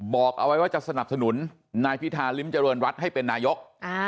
บอกเอาไว้ว่าจะสนับสนุนนายพิธาริมเจริญรัฐให้เป็นนายก